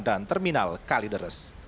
dan terminal kalideres